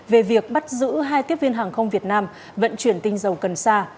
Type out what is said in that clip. về việc bắt giữ hai tiếp viên hàng không việt nam vận chuyển tinh dầu cần xa